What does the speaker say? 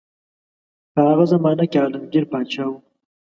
په هغه زمانه کې عالمګیر پاچا وو.